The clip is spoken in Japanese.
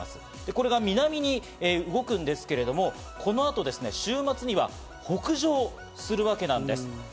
これが南に動くんですけれども、この後、週末には北上するわけなんです。